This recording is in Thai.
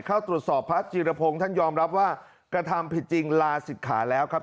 เข้าตรวจสอบพระจิรพงศ์ท่านยอมรับว่ากระทำผิดจริงลาศิกขาแล้วครับ